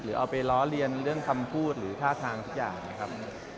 เอาไปล้อเลียนเรื่องคำพูดหรือท่าทางทุกอย่างนะครับ